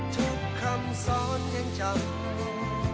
ทุกคำสอนยังจำ